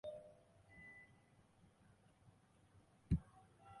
申氏家族乃东阳大姓。